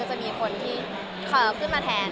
จะมีคนที่ขึ้นมาแทน